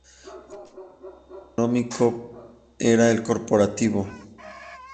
El sistema socioeconómico era el corporativo.